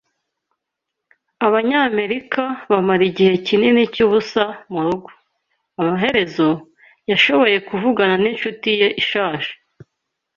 Abanyamerika bamara igihe kinini cyubusa murugo. Amaherezo, yashoboye kuvugana n'inshuti ye ishaje.